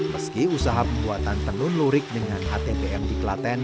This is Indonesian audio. meski usaha pembuatan tenun lurik dengan htpm di klaten